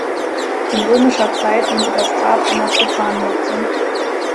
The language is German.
In römischer Zeit diente das Grab einer profanen Nutzung.